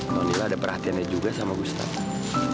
nonilah ada perhatiannya juga sama gustaf